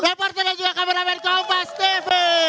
reporternya juga kameramen kompas tv